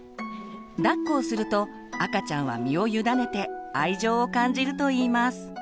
だっこをすると赤ちゃんは身を委ねて愛情を感じるといいます。